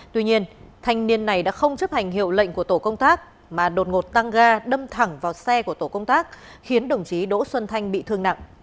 tuy nhiên thanh niên này đã không chấp hành hiệu lệnh của tổ công tác mà đột ngột tăng ga đâm thẳng vào xe của tổ công tác khiến đồng chí đỗ xuân thanh bị thương nặng